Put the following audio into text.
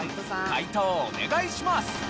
解答お願いします。